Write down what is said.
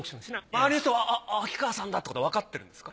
周りの人はあっ秋川さんだってことはわかってるんですか？